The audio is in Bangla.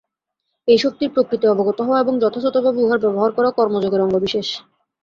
এই শক্তির প্রকৃতি অবগত হওয়া এবং যথাযথভাবে উহার ব্যবহার করা কর্মযোগের অঙ্গবিশেষ।